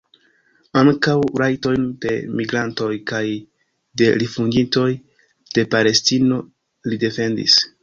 Ankaŭ rajtojn de migrantoj kaj de rifuĝintoj de Palestino li defendis.